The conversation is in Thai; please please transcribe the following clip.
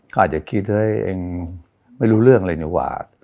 ข้าจะคิดเอ้ยไม่รู้เรื่องไรอยู่อ่ะ